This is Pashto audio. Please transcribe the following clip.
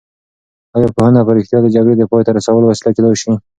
ایا پوهنه په رښتیا د جګړې د پای ته رسولو وسیله کېدای شي؟